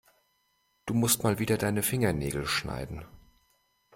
Du musst mal wieder deine Fingernägel schneiden.